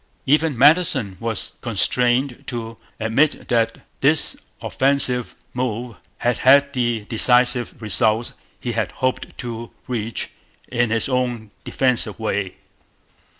Even Madison was constrained to admit that this offensive move had had the defensive results he had hoped to reach in his own 'defensive' way.